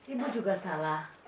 ibu juga salah